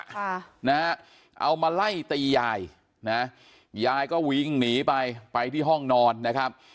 ค่ะนะฮะเอามาไล่ตียายนะยายก็วิ่งหนีไปไปที่ห้องนอนนะครับ